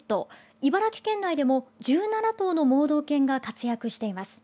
茨城県内でも１７頭の盲導犬が活躍しています。